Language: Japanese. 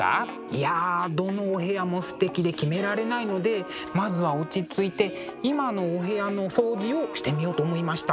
いやどのお部屋もすてきで決められないのでまずは落ち着いて今のお部屋の掃除をしてみようと思いました。